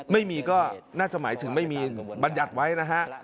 ไม่มีก็น่าจะหมายถึงไม่มีบรรยัติไว้นะฮะ